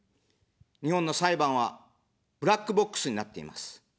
日本の裁判はブラックボックスになっています。